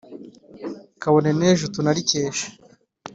kabone n'ejo tunarikeshe